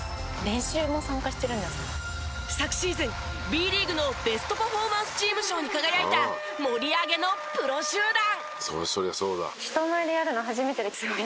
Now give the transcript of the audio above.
「練習も参加してるんだそうです」昨シーズンＢリーグのベストパフォーマンスチーム賞に輝いた盛り上げのプロ集団。